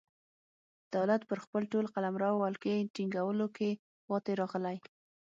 دولت پر خپل ټول قلمرو ولکې ټینګولو کې پاتې راغلی.